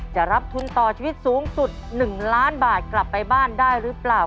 จะรับทุนต่อชีวิตสูงสุด๑ล้านบาทกลับไปบ้านได้หรือเปล่า